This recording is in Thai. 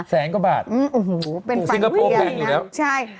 แสนกว่าบาทซิงคโปรแบงอยู่แล้วอืมโอ้โฮเป็นฟันเวียนนะใช่